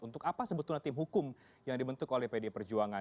untuk apa sebetulnya tim hukum yang dibentuk oleh pd perjuangan